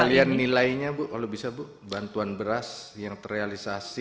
kalian nilainya bu kalau bisa bu bantuan beras yang terrealisasi